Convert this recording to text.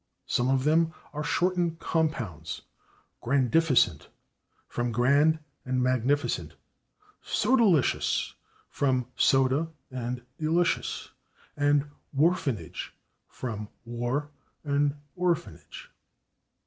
Some of them are shortened compounds: /grandificent/ (from /grand/ and /magnificent/), /sodalicious/ (from /soda/ and /delicious/) and /warphan/(/age/) (from /war/ and /orphan/(/age